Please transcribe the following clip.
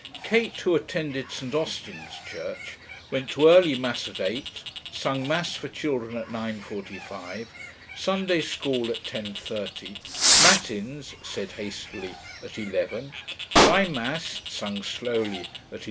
Kate, who attended St. Austin's church, went to early Mass at eight, sung Mass for children at 9.45, Sunday school at 10.30, matins (said hastily) at 11, High Mass (sung slowly) at 11.